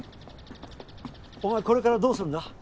お前これからどうするんだ？